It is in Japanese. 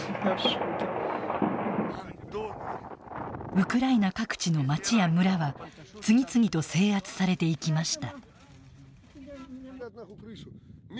ウクライナ各地の町や村は次々と制圧されていきました。